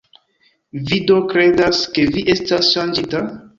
"Vi do kredas ke vi estas ŝanĝita?"